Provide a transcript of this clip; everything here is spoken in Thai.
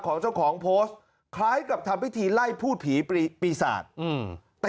ของเจ้าของโพสคล้ายกับทำวิธีไล่ผู้ผีปีกปีศาจอืม